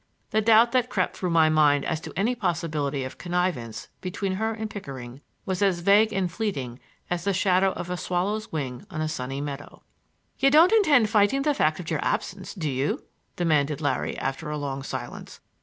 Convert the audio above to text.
The doubt that crept through my mind as to any possibility of connivance between her and Pickering was as vague and fleeting as the shadow of a swallow's wing on a sunny meadow. "You don't intend fighting the fact of your absence, do you?" demanded Larry, after a long silence.